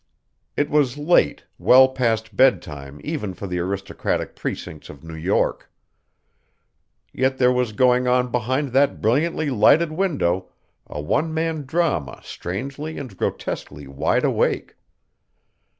It was late, well past bedtime even for the aristocratic precincts of New York. Yet there was going on behind that brilliantly lighted window a one man drama strangely and grotesquely wide awake.